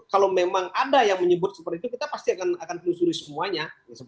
kalau memang ada yang menyebut seperti itu kita pasti akan telusuri semuanya